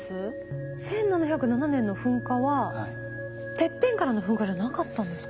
１７０７年の噴火はてっぺんからの噴火じゃなかったんですか？